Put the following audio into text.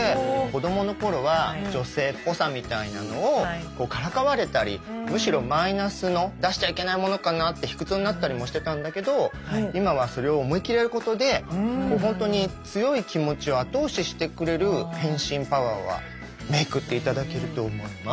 子供の頃は女性っぽさみたいなのをからかわれたりむしろマイナスの出しちゃいけないものかなって卑屈になったりもしてたんだけど今はそれを思いっきりやることでほんとに強い気持ちを後押ししてくれる変身パワーはメークって頂けると思います。